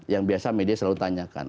yang biasa media selalu tanyakan